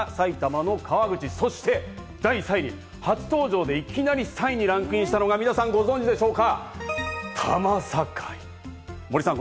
１位が神奈川の辻堂、２位は埼玉の川口、そして第３位に初登場でいきなり第３位にランクインしたのが皆さん、ご存知でしょうか？